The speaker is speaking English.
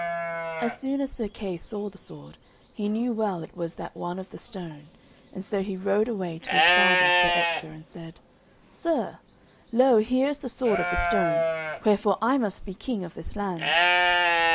As soon as Sir Kay saw the sword, he knew well it was that one of the stone, and so he rode away to his father, Sir Ector, and said: "Sir, lo here is the sword of the stone; wherefore I must be king of this land."